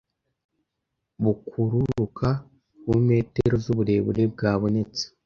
bukururuka ku metero z'uburebure bwabonetse